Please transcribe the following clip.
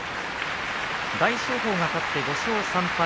大翔鵬が勝って５勝３敗。